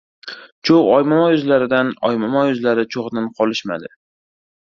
Cho‘g‘ Oymomo yuzlaridan, Oymomo yuzlari cho‘g‘dan qolishmadi.